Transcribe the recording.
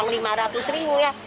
bukan soal uang lima ratus ribu ya